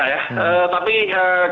tapi kalau melihat dinamika sepenuhnya